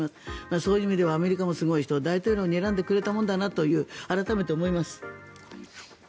そういう意味ではアメリカもすごい人を大統領に選んでくれたもんだなと改めて思います。